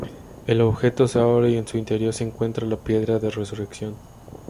El objeto se abre y en su interior se encuentra la Piedra de Resurrección.